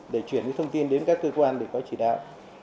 để chuyển những thông tin đến các cơ quan để có chỉ đạo